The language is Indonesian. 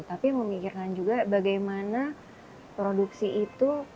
tapi memikirkan juga bagaimana produksi itu